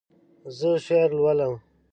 زه شعر لولم